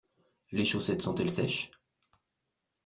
Les chaussettes sont-elles sèches?